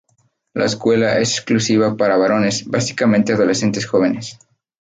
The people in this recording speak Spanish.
La escuela es exclusiva para varones, básicamente adolescentes jóvenes.